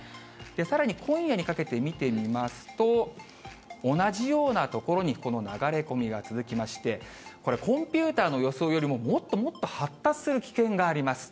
さらに今夜にかけて見てみますと、同じような所にこの流れ込みが続きまして、これ、コンピューターの予想よりももっともっと発達する危険があります。